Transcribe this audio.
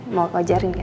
mau aku ajarin ya